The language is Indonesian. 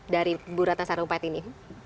dari bu ratna sarumpait ini